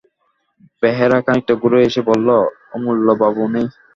বেহারা খানিকটা ঘুরে এসে বললে, অমূল্যবাবু নেই।